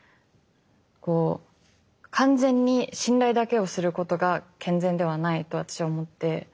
こう完全に信頼だけをすることが健全ではないと私は思って。